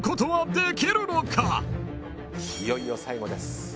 いよいよ最後です。